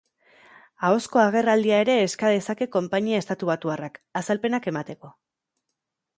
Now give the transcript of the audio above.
Ahozko agerraldia ere eska dezake konpainia estatubatuarrak, azalpenak emateko.